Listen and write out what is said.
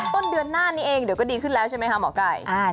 ต้นเดือนหน้านี้เองเดี๋ยวก็ดีขึ้นแล้วใช่ไหมคะหมอไก่